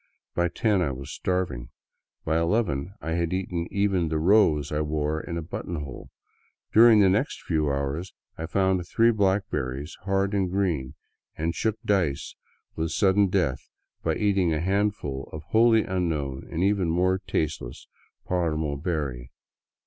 By ten I was starving. By eleven I had eaten even the rose I wore in a button hole; during the next few hours I found three blackberries, hard and green, and shook dice with sudden death by eating a handful of a wholly unknown and even more taste less paramo berry.